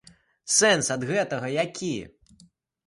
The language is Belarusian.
Сэнс ад гэтага які?